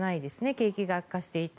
景気が悪化していて。